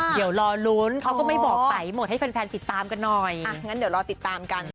พอเดี๋ยวปีใหม่พบกันค่ะ